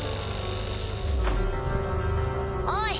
おい！